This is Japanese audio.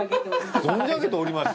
存じ上げております。